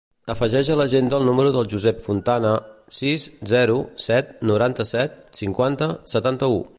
Afegeix a l'agenda el número del Josep Fontana: sis, zero, set, noranta-set, cinquanta, setanta-u.